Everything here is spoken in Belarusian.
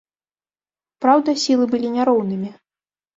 Праўда, сілы былі не роўнымі.